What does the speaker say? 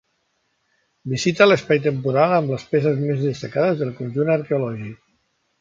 Visita l'espai temporal amb les peces més destacades del conjunt arqueològic.